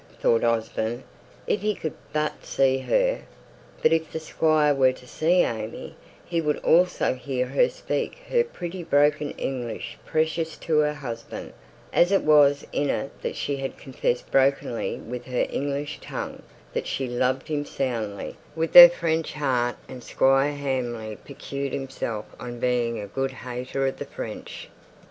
thought Osborne. "If he could but see her!" But if the Squire were to see AimÄe, he would also hear her speak her pretty broken English precious to her husband, as it was in it that she had confessed brokenly with her English tongue, that she loved him soundly with her French heart and Squire Hamley piqued himself on being a good hater of the French.